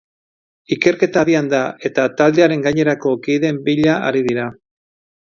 Ikerketa abian da, eta taldearen gainerako kideen bila ari dira.